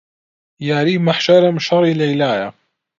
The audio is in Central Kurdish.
یاری مەحشەرم شەڕی لەیلایە